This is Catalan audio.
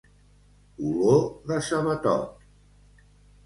Olor de sabatot.